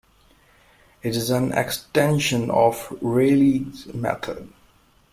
It is an extension of Rayleigh's method.